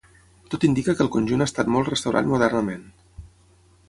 Tot indica que el conjunt ha estat molt restaurat modernament.